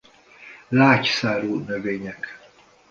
Lágy szárú növények.